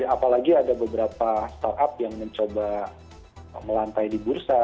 apalagi ada beberapa startup yang mencoba melantai di bursa